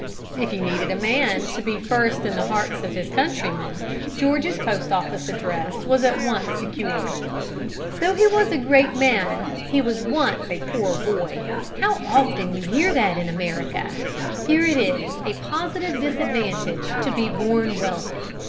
If you needed a man to be first in the hearts of his countrymen, George's post office address was at once secured. Though he was a great man, he was once a poor boy. How often you hear that in America! Here it is a positive disadvantage to be born wealthy.